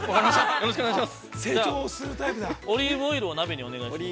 よろしくお願いします！